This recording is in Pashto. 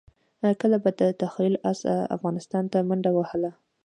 کله به د تخیل اس افغانستان ته منډه ووهله.